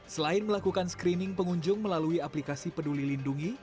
selain melakukan screening pengunjung melalui aplikasi peduli lindungi